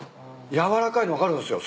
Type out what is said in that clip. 軟らかいの分かるんすよ